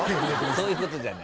そういうことじゃない。